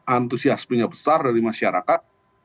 antusiasmenya besar dari masyarakat